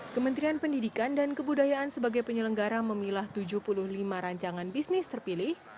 kementerian pendidikan dan kebudayaan sebagai penyelenggara memilah tujuh puluh lima rancangan bisnis terpilih